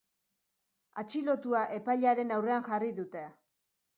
Atxilotua epailearen aurrean jarri dute.